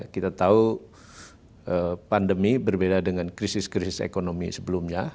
kita tahu pandemi berbeda dengan krisis krisis ekonomi sebelumnya